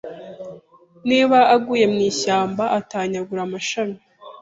Niba aguye mu ishyamba atanyagura amashami